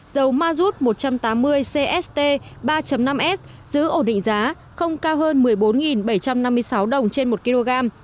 dầu mazut một trăm tám mươi cst ba năm s giữ ổn định giá không cao hơn một mươi bốn bảy trăm năm mươi sáu đồng trên một kg